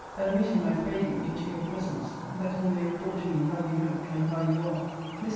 Admit him, I pray you, into you presence, that he may report to me how you look, and how you are. Mr.